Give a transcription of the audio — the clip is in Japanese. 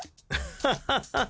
ハハハハ！